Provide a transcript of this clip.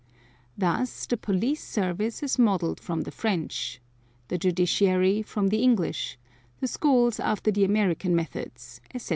Thus the police service is modelled from the French, the judiciary from the English, the schools after the American methods, etc.